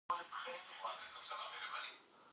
راته ښکاری مور دي مینځه زما د پلار وه